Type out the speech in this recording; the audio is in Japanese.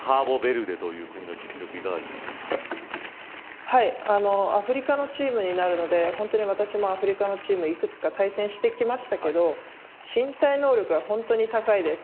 高田さんからご覧になってカーボベルデという国の実力はアフリカのチームになるので私もアフリカのチームいくつか対戦してきましたが身体能力が本当に高いです。